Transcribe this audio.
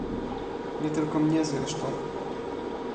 "Nie tylko mnie zresztą."